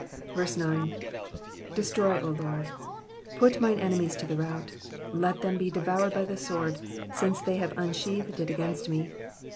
9. ''^DesProy^ 0 Lord,''^ Put mine enemies to the rout. Let them be devoured by the sword, since they have unsheathed it against me.